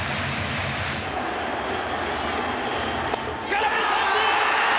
空振り三振！